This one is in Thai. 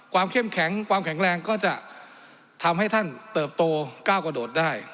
เข้มแข็งความแข็งแรงก็จะทำให้ท่านเติบโตก้าวกระโดดได้